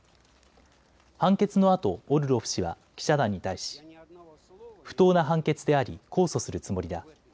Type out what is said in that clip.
判決のあと、オルロフ氏は記者団に対し不当な判決であり控訴するつもりだ。